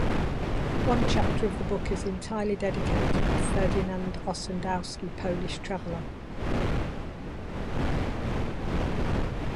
One chapter of the book is entirely dedicated to Ferdynand Ossendowski, Polish traveller.